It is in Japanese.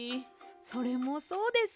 それもそうですね。